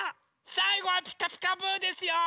さいごは「ピカピカブ！」ですよ！